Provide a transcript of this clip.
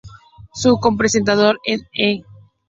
Su co-presentador en "E!